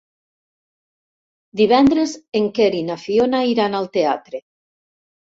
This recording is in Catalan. Divendres en Quer i na Fiona iran al teatre.